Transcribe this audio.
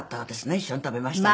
一緒に食べましてね。